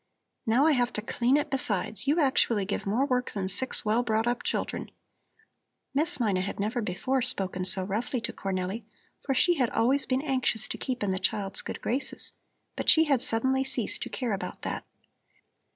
"Now I have to clean it, besides! You actually give more work than six well brought up children." Miss Mina had never before spoken so roughly to Cornelli, for she had always been anxious to keep in the child's good graces. But she had suddenly ceased to care about that.